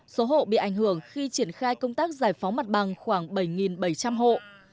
số hộ bị ảnh hưởng khi triển khai công tác giải phóng mặt bằng khoảng bảy bảy trăm linh hộ